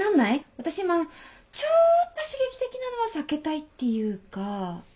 私今ちょっと刺激的なのは避けたいっていうか。